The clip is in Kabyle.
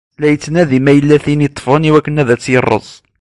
La yettnadi ma yella tinn yeṭṭfen i wakken ad tt-id-yeṛṛez.